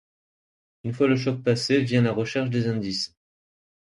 Une fois le choc passé vient la recherche des indices.